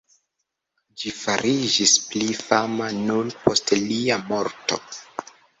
Ĝi fariĝis pli fama nur post lia morto.